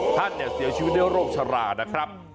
ท่านเสียชีวิตด้วยโรคชรานะครับ